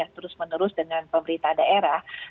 terus menerus dengan pemerintah daerah